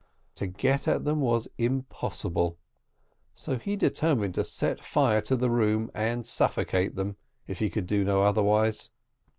To get at them was impossible, so he determined to set fire to the room, and suffocate them, if he could do no otherwise.